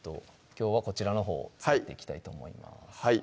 きょうはこちらのほう使っていきたいと思います